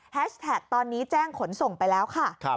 แท็กตอนนี้แจ้งขนส่งไปแล้วค่ะ